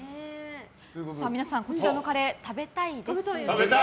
皆さん、こちらのカレー食べたいですよね？